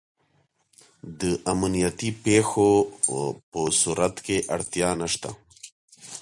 د امنیتي پېښو په صورت کې اړتیا نشته.